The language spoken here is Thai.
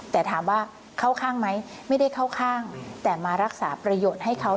แต่ถามว่าเข้าข้างไหมไม่ได้เข้าข้างแต่มารักษาประโยชน์ให้เขา